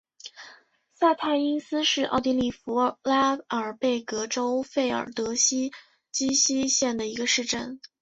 萨泰因斯是奥地利福拉尔贝格州费尔德基希县的一个市镇。